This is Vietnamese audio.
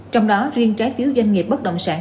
trong đó riêng trái phiếu doanh nghiệp bất động sản